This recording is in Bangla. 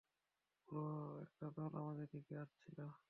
পুরো একটা দল আমাদের দিকে আসছিল।